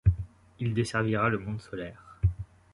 il desservira le monde solaire